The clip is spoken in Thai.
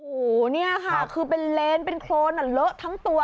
โอ้โหนี่ค่ะคือเป็นเลนเคราะห์เหลือทั้งตัว